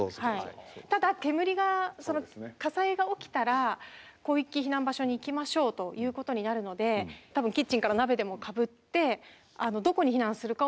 ただ煙が火災が起きたら広域避難場所に行きましょうということになるので多分キッチンから鍋でもかぶってどこに避難するかを見に行きます。